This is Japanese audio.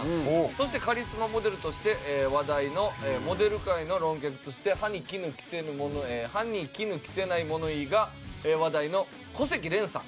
そしてカリスマモデルとして話題のモデル界の論客として歯に衣着せぬ歯に衣着せない物言いが話題の古関れんさん。